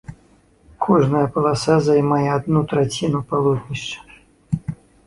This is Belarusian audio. Кожная паласа займае адну траціну палотнішча.